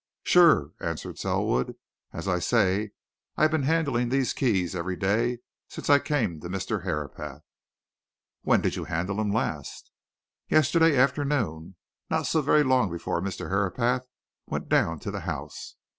"Sure!" answered Selwood. "As I say, I've been handling these keys every day since I came to Mr. Herapath." "When did you handle them last?" "Yesterday afternoon: not so very long before Mr. Herapath went down to the House.